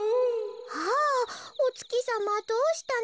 「あっおつきさまどうしたの？」。